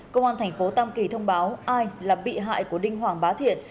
công an thành phố tam kỳ thông báo ai là bị hại của đinh hoàng bá thiện